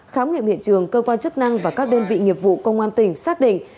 khám nghiệm hiện trường cơ quan chức năng và các đơn vị nghiệp vụ công an tỉnh xác định